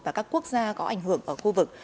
và các quốc gia có ảnh hưởng ở khu vực